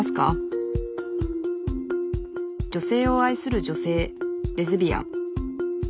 女性を愛する女性レズビアン。